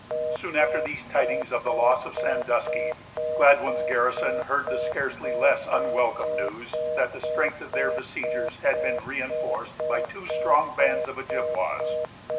Soon after these tidings of the loss of Sandusky, Gladwyn's garrison heard the scarcely less unwelcome news that the strength of their besiegers had been re enforced by two strong bands of Ojibwas.